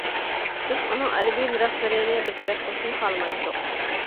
بىز ئۇنىڭ ئەدەبىي مىراسلىرىنى بىر تەرەپ قىلىشنى خالىمايتتۇق.